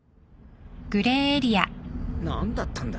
何だったんだ？